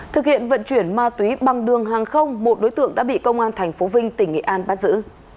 thực hiện vận chuyển ma túy bằng đường hàng không một đối tượng đã bị công an tp vinh tỉnh nghệ an bắt giữ